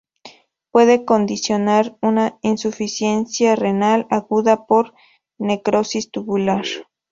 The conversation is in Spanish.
Puede condicionar una insuficiencia renal aguda por necrosis tubular.